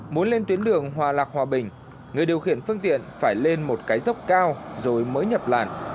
muốn lên tuyến đường hòa lạc hòa bình người điều khiển phương tiện phải lên một cái dốc cao rồi mới nhập làn